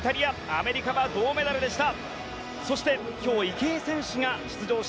アメリカは銅メダルでした。